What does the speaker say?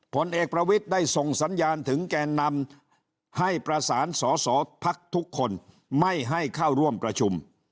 ผลเอกประวิทย์ได้ส่งสัญญาณถึงแก่นำให้ประสานสอสอพักทุกคนไม่ให้เข้าร่วมประชุม